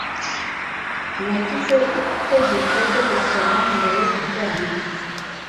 Nagize itegeko ryo gusoma mbere yo kuryama.